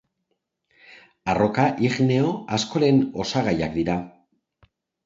Arroka igneo askoren osagaiak dira.